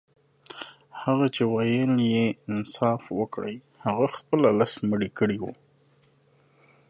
هغه چي ويل يې انصاف وکړئ هغه خپله لس مړي کړي وه.